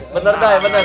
bener dah ya bener